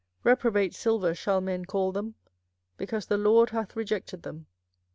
24:006:030 Reprobate silver shall men call them, because the LORD hath rejected them.